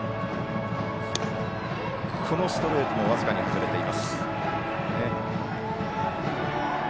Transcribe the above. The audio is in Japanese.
このストレートも僅かに外れています。